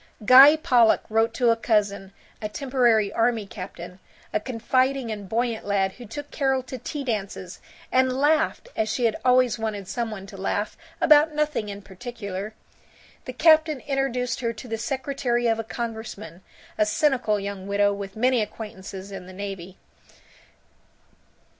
Guy Pollock wrote to a cousin, a temporary army captain, a confiding and buoyant lad who took Carol to tea dances, and laughed, as she had always wanted some one to laugh, about nothing in particular. The captain introduced her to the secretary of a congressman, a cynical young widow with many acquaintances in the navy.